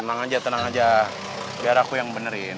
tenang aja tenang aja biar aku yang benerin